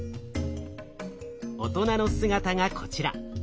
大人の姿がこちら。